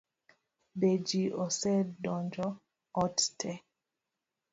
Be ji osedonjo ot tee?